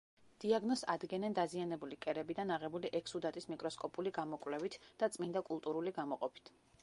დიაგნოზს ადგენენ დაზიანებული კერებიდან აღებული ექსუდატის მიკროსკოპული გამოკვლევით და წმინდა კულტურული გამოყოფით.